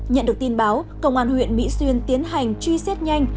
nhận được tin báo công an huyện mỹ xuyên tiến hành truy xét nhanh